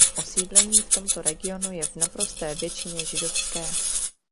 Osídlení v tomto regionu je v naprosté většině židovské.